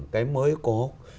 cái mới có